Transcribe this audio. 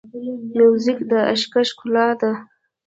موزیک د عشقه ښکلا ده.